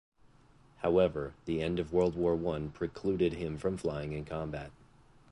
However, the end of World War One precluded him from flying in combat.